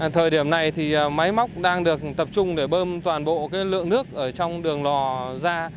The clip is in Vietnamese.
thời điểm này máy móc đang được tập trung để bơm toàn bộ lượng nước trong đường lò ra